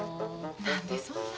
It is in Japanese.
何でそんな？